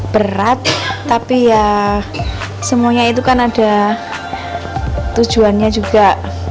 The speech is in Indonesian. berat tapi ya semuanya itu kan ada tujuannya juga